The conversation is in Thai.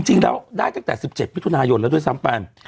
จริงแล้วได้ตั้งแต่๑๗มิถุนายนแล้วด้วยซ้ำไป